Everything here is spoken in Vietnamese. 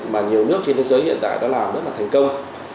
mà nhiều nước trên thế giới hiện tại đã làm rất là thành công